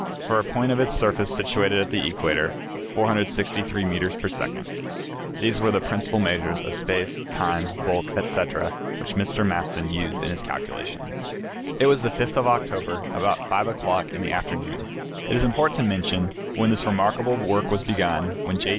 For a point of its surface situated at the equator, 463 meters per second. These were the principal measures of space, time, bulk, etc., which Mr. Maston used in his calculations. It was the 5th of October, about 5 o'clock in the afternoon, it is important to mention, when this remarkable work was begun, when J.